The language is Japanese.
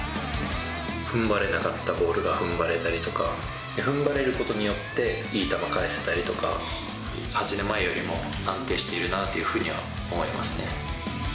ふんばれなかったボールがふんばれたりとか、ふんばれることによっていい球返せたりとか、８年前よりも安定しているなというふうには思いますね。